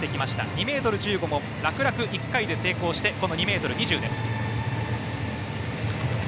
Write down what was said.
２ｍ１５も楽々１回で成功してこの２ｍ２０です。